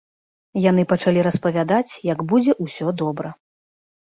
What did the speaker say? Яны пачалі распавядаць, як будзе ўсё добра.